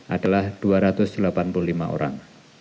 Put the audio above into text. adalah dua ratus delapan puluh lima orang